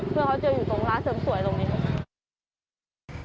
เพื่อนเขาเจออยู่ตรงร้านเสิร์ฟสวยตรงนี้